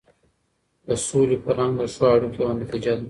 د سولې فرهنګ د ښو اړیکو یوه نتیجه ده.